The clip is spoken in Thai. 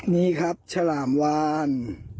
นี่ครับฉลามวาน